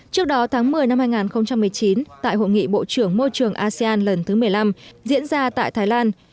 trước đó tháng một mươi năm hai nghìn một mươi chín tại hội nghị bộ trưởng môi trường asean lần thứ một mươi năm diễn ra tại thái lan